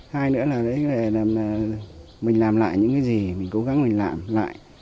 hai nữa là mình làm lại những cái gì mình cố gắng mình làm lại